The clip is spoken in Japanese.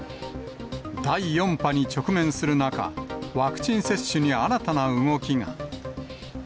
第４波に直面する中、ワクチン接種に新たな動きが。